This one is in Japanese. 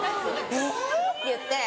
「えぇ！」って言って。